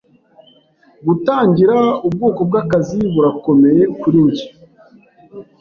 Gutangira, ubwoko bwakazi burakomeye kuri njye.